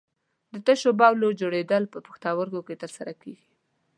د تشو بولو جوړېدل په پښتورګو کې تر سره کېږي.